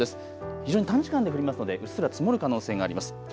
非常に短時間で降りますのでうっすら積もる可能性があります。